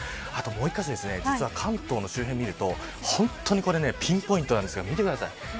もう１カ所実は関東の周辺を見るとピンポイントなんですが見てください。